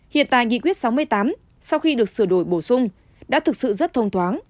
hiện tại nghị quyết sáu mươi tám sau khi được sửa đổi bổ sung đã thực sự rất thông thoáng